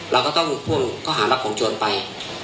เราก็ต้องพ่วงข้อหารับของโจรไป